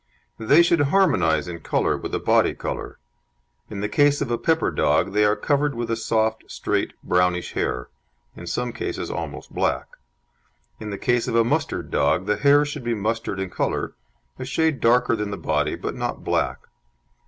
They should harmonise in colour with the body colour. In the case of a pepper dog they are covered with a soft, straight, brownish hair (in some cases almost black). In the case of a mustard dog the hair should be mustard in colour, a shade darker than the body, but not black.